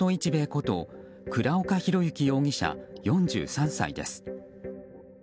こと倉岡宏行容疑者４３歳です。